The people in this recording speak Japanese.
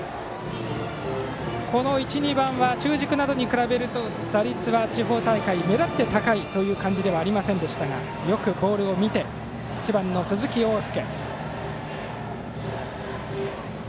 この１、２番は中軸などに比べると打率は地方大会目立って高いという感じではありませんでしたがよくボールを見ている１番の鈴木凰介。